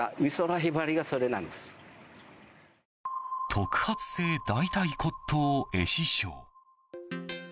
特発性大腿骨頭壊死症。